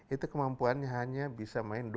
itu kemampuannya hanya bisa main